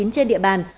trên địa bàn